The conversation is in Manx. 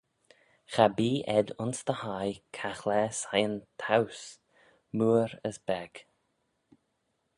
Cha bee ayd ayns dty hie caghlaa siyn-towse, mooar as beg.